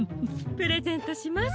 プレゼントします。